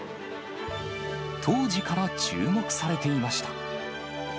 当時から注目されていました。